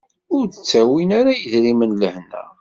Ur d-ttawin ara yedrimen lehna.